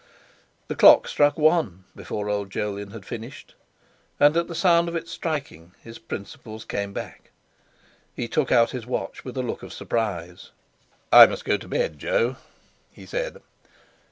The clock struck one before old Jolyon had finished, and at the sound of its striking his principles came back. He took out his watch with a look of surprise: "I must go to bed, Jo," he said.